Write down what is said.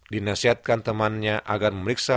dinasihatkan temannya agar memeriksa